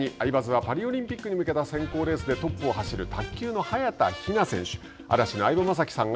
さらにアイバズは、パリオリンピックに向けた選考レースでトップを走る卓球の早田ひな選手。